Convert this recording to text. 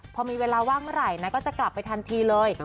พอมีเวลาว่างเมื่อไหร่นะก็จะกลับไปทันทีเลย